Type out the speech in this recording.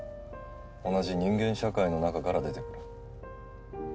同じ人間社会の中から出てくる